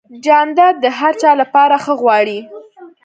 جانداد د هر چا لپاره ښه غواړي.